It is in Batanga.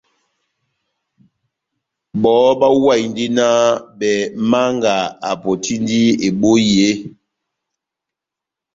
Bɔhɔ bahuwahindi nah bɛh Manga apotindi ebohi eeeh?